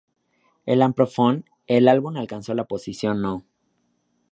En Amprofon el álbum alcanzó la posición no.